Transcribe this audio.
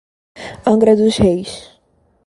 Angra dos Reis